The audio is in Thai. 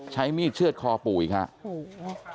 ใช้มีดเชื่อดคอปู่อีกครับ